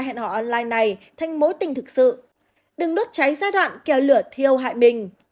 hẹn hò online này thành mối tình thực sự đừng đốt cháy giai đoạn kéo lửa thiêu hại mình